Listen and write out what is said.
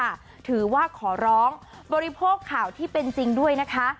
ถือว่าขอร้องบริโภคข่าวที่เป็นจริงด้วยนะคะ